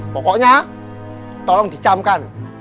pokoknya tolong dicamkan